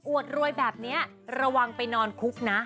วดรวยแบบนี้ระวังไปนอนคุกนะ